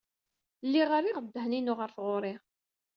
Lliɣ rriɣ ddehn-inu ɣer tɣuri.